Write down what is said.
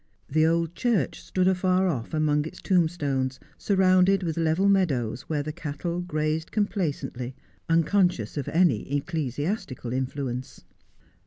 The old church stood afar off among its tomb stones, surrounded with level meadows, where the cattle grazed complacently, unconscious of any ecclesiastical influence.